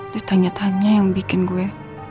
ditanya tanya yang bikin gue